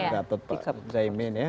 gatot pak cahimin ya